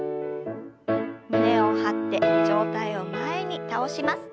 胸を張って上体を前に倒します。